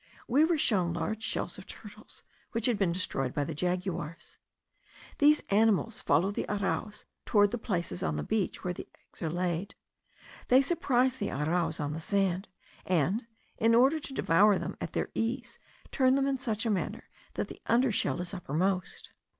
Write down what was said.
We were shown large shells of turtles, which had been destroyed by the jaguars. These animals follow the arraus towards those places on the beach where the eggs are laid. They surprise the arraus on the sand; and, in order to devour them at their ease, turn them in such a manner that the under shell is uppermost.